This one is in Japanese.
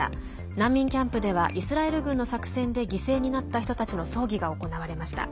難民キャンプではイスラエル軍の作戦で犠牲になった人たちの葬儀が行われました。